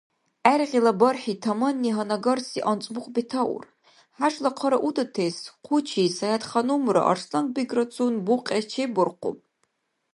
ГӀергъила бархӀи таманни гьанагарси анцӀбукь бетаур: хӀяжла хъара удатес хъучи Саятханумра Арсланбеграцун букьес чебуркъуб.